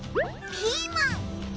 ピーマン！